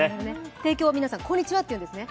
帝京は皆さん、こんにちはって言うんですね。